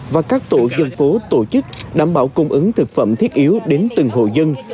và các tổ dân phố tổ chức đảm bảo cung ứng thực phẩm thiết yếu đến từng hộ dân